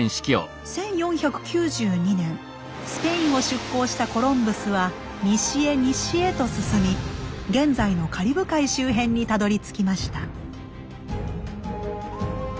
スペインを出航したコロンブスは西へ西へと進み現在のカリブ海周辺にたどりつきました。